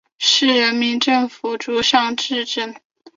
市人民政府驻尚志镇。